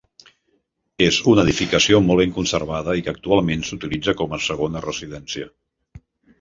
És una edificació molt ben conservada i que actualment s'utilitza com a segona residència.